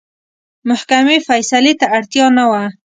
محکمې فیصلې ته اړتیا نه وه.